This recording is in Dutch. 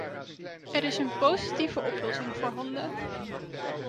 Er is een positieve oplossing voorhanden.